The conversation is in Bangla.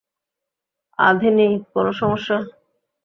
আধিনি, কোনো সমস্যা?